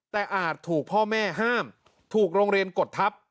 แต่อาจถูกพ่อแม่ห้ามถูกโรงเรียนกดทับ